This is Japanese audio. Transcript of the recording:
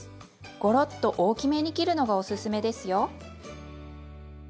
ごろっと大きめに切るのがおすすめですよ。